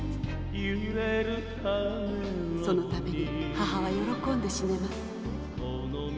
「そのために母は喜んで死ねます」